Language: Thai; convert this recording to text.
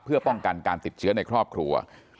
เพื่อป้องกันการติดเชื้อในครอบครัว